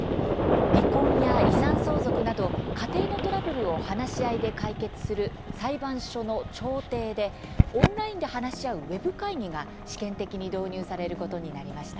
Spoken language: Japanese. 離婚や遺産相続など家庭のトラブルを、話し合いで解決する裁判所の調停でオンラインで話し合うウェブ会議が試験的に導入されることになりました。